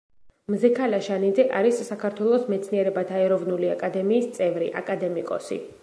მზექალა შანიძე არის საქართველოს მეცნიერებათა ეროვნული აკადემიის წევრი, აკადემიკოსი.